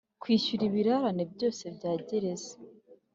kwishyura ibirarane byose bya gereza